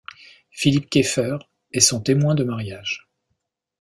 Philippe Kieffer est son témoin de mariage.